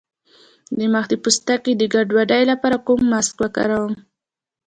د مخ د پوستکي د ګډوډۍ لپاره کوم ماسک وکاروم؟